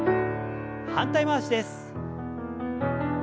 反対回しです。